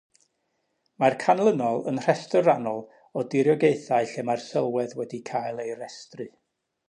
Mae'r canlynol yn rhestr rannol o diriogaethau lle mae'r sylwedd wedi cael ei restru.